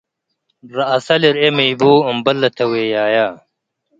ረአሰ ልርኤ ሚ ቡ አምበል ለተዌያየ፣